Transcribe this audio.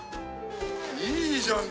いいじゃん！